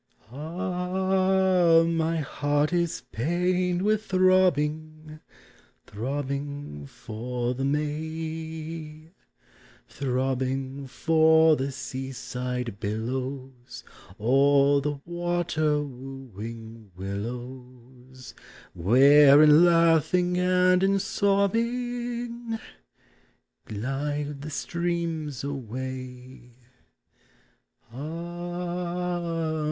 Ah! my heart is pained with throbbing. Throbbing for the May, V— 82 POEMS OF NATURE. Throbbing for the seaside billows, Or the water wooing willows; Where, in laughing and in sobbing, Glide the streams away. Ah